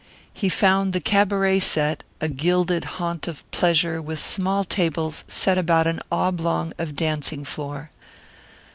He found the cabaret set, a gilded haunt of pleasure with small tables set about an oblong of dancing floor.